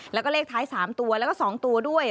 แล้วก็เลขท้าย๓ตัวแล้วก็๒ตัวด้วย